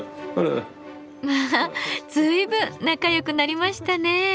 まあ随分仲良くなりましたね。